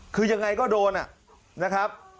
คือยังไงก็โดนนะครับ